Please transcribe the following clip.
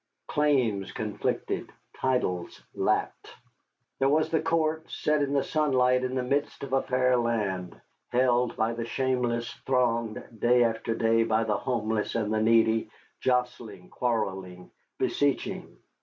Claims conflicted, titles lapped. There was the court set in the sunlight in the midst of a fair land, held by the shameless, thronged day after day by the homeless and the needy, jostling, quarrelling, beseeching.